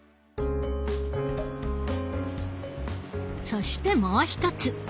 そしてもう一つ。